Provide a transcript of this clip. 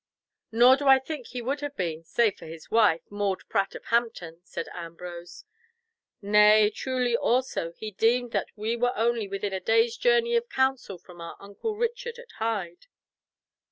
"Nor do I think he would have been, save for his wife, Maud Pratt of Hampton," said Ambrose. "Nay, truly also, he deemed that we were only within a day's journey of council from our uncle Richard at Hyde."